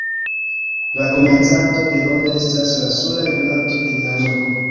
La komencanto denove estas la sola lernanto en la loko.